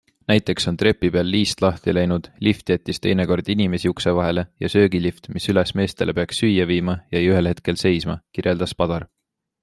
Näiteks on trepi peal liist lahti läinud, lift jättis teinekord inimesi ukse vahele ja söögilift, mis üles meestele peaks süüa viima, jäi ühel hetkel seisma, kirjeldas Padar.